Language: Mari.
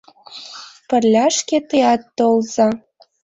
Пырляшке теат толза!